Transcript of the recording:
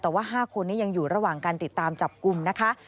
แต่ว่า๕คนนี้ยังอยู่ระหว่างการติดตามจับกลุ่มนะคะ